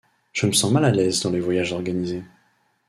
Je me sens mal à l’aise dans les voyages organisés.